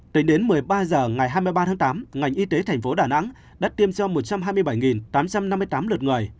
tính đến một mươi ba h ngày hai mươi ba tháng tám ngành y tế thành phố đà nẵng đã tiêm cho một trăm hai mươi bảy tám trăm năm mươi tám lượt người